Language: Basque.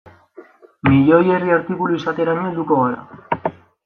Milioi erdi artikulu izateraino helduko gara.